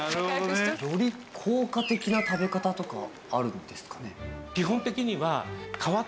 より効果的な食べ方とかあるんですかね？